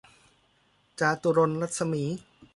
จาตุรนต์รัศมี